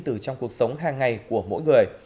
từ trong cuộc sống hàng ngày của mỗi người